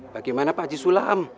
bagaimana pak haji sulam